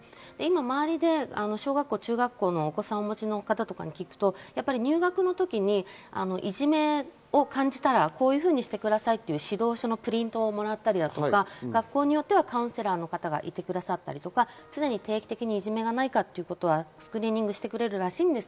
周りで小学校、中学校のお子さんをお持ちの方に聞くと入学のときにいじめを感じたらこういうふうにしてくださいという指導書のプリントをもらったり、学校によってはカウンセラーの方がいたり、常に定期的にいじめがないかをスクリーニングしてくれるらしいです。